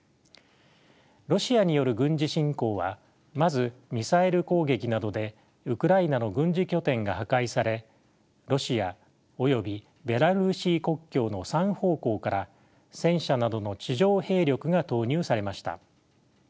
ロシアによる軍事侵攻はまずミサイル攻撃などでウクライナの軍事拠点が破壊されロシアおよびベラルーシ国境の３方向から戦車などの地上兵力が投入されました。